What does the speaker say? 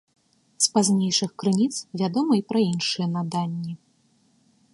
З пазнейшых крыніц вядома і пра іншыя наданні.